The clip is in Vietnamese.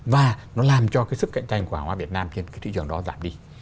và nó làm cho cái sức cạnh tranh của hàng hóa việt nam trên cái thị trường đó giảm đi